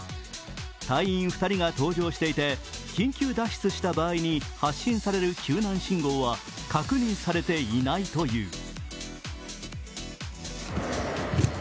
隊員２人が搭乗していて、緊急脱出した場合に発信される救難信号は確認されていないという。